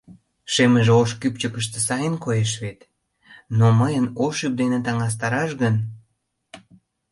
Шемыже ош кӱпчыкыштӧ сайын коеш вет, ну, мыйын ош ӱп дене таҥастараш гын.